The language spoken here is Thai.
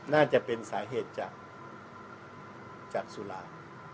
น่าจะเป็นสาเหตุจากสุรา